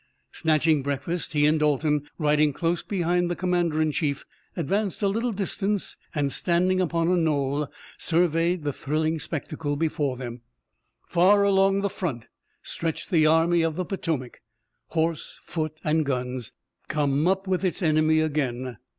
Snatching breakfast, he and Dalton, riding close behind the commander in chief, advanced a little distance and standing upon a knoll surveyed the thrilling spectacle before them. Far along the front stretched the Army of the Potomac, horse, foot and guns, come up with its enemy again.